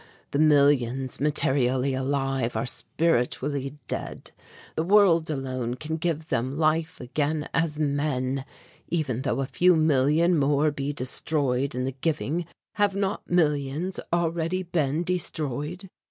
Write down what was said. The millions materially alive, are spiritually dead. The world alone can give them life again as men. Even though a few million more be destroyed in the giving have not millions already been destroyed?